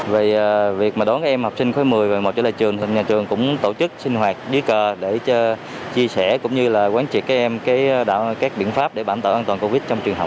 về việc đón các em học sinh khối một mươi một mươi một trở lại trường nhà trường cũng tổ chức sinh hoạt đi cơ để chia sẻ cũng như quán triệt các em các biện pháp để bản tạo an toàn covid trong trường học